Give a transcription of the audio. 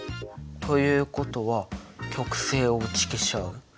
ということは極性を打ち消し合う？